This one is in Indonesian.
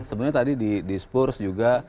sebenarnya tadi di spurs juga